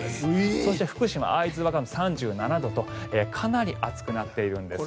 そして福島・会津若松で３７度とかなり暑くなっているんです。